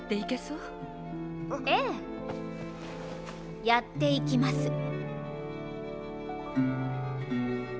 ええやっていきます。